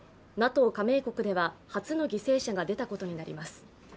加盟国では初の犠牲者が出たことになります。